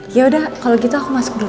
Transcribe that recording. yaudah kalau gitu aku masuk dulu ya